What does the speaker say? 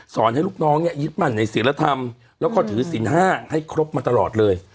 ให้ลูกน้องเนี่ยยึดมั่นในศิลธรรมแล้วก็ถือศิลป๕ให้ครบมาตลอดเลย